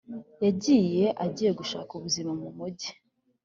Yagiye agiye gushaka ubuzima mu mujyi